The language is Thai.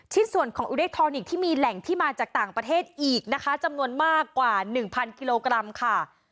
ส่วนของอิเล็กทรอนิกส์ที่มีแหล่งที่มาจากต่างประเทศอีกนะคะจำนวนมากกว่า๑๐๐กิโลกรัมค่ะ